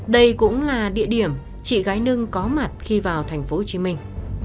đây cũng là địa điểm chị gái nưng có mặt khi vào thành phố hồ chí minh